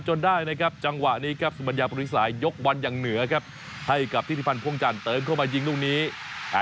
ก็จะทำกากเป็นพอรพฤตของทีมชาติไทยไปลองฟังบางตอนกันครับ